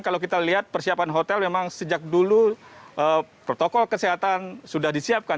kalau kita lihat persiapan hotel memang sejak dulu protokol kesehatan sudah disiapkan